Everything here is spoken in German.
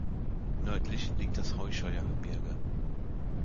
Nördlich liegt das Heuscheuergebirge.